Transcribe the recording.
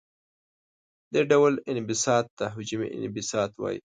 دې ډول انبساط ته حجمي انبساط وايي.